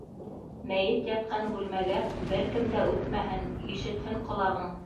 Мәйет ятҡан бүлмәгә бер кем дә үтмәһен, ишетһен ҡолағың.